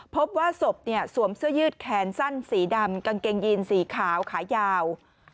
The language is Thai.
พบว่าศพสวมเสื้อยืดแขนสั้นสีดำกางเกงยีนสีขาวขายาว